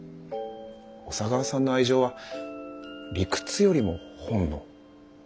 小佐川さんの愛情は理屈よりも本能。